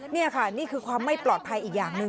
นี่ค่ะนี่คือความไม่ปลอดภัยอีกอย่างหนึ่ง